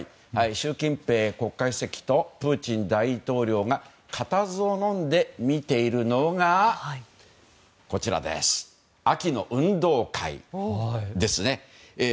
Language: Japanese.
習近平国家主席とプーチン大統領が固唾をのんで見ているのが秋の運動会ですね。